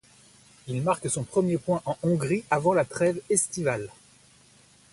Il marque son premier point en Hongrie, avant la trêve estivale.